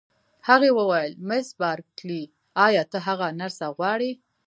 هغې وویل: مس بارکلي، ایا ته هغه نرسه غواړې؟